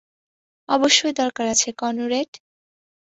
অবশ্যই দরকার আছে, কনরেড।